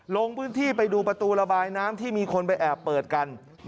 ลงพื้นที่ไปดูประตูระบายน้ำที่มีคนไปแอบเปิดกัน